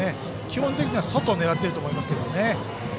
基本的には外を狙っていると思いますね。